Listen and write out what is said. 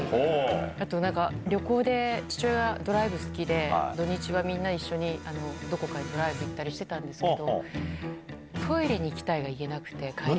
あとなんか、旅行で父親ドライブ好きで、土日はみんな一緒に、どこかにドライブ行ったりしてたんですけど、トイレに行きたいが言えなくて、帰り。